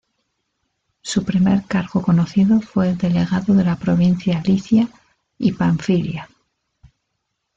Su primer cargo conocido fue el de Legado de la provincia Licia y Panfilia.